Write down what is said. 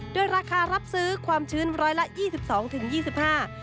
ด้วยราคารับซื้อความชืนร้อยละ๒๒๒๕บาท